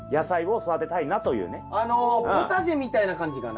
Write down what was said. あのポタジェみたいな感じかな？